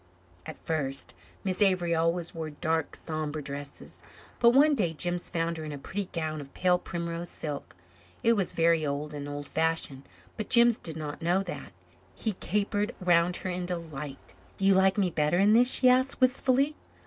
At first Miss Avery always wore dark sombre dresses. But one day Jims found her in a pretty gown of pale primrose silk. It was very old and old fashioned, but Jims did not know that. He capered round her in delight. "You like me better in this?" she asked, wistfully.